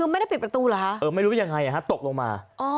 ไม่รู้ยังไงนะฮะตกลงมา